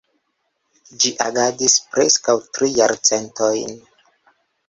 Ĝi agadis preskaŭ tri jarcentojn.